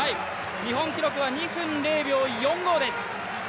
日本記録は２分０秒４５です。